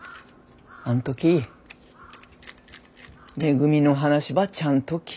あん時めぐみの話ばちゃんと聞いてやればよかった。